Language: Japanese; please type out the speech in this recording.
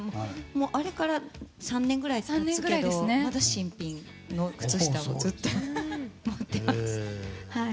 あれから３年ぐらいですけどまだ新品の靴下をずっと持ってます。